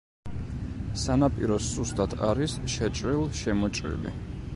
სანაპირო სუსტად არის შეჭრილ-შემოჭრილი.